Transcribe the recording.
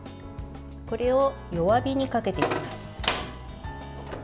これを弱火にかけていきます。